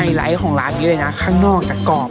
ไลท์ของร้านนี้เลยนะข้างนอกจะกรอบ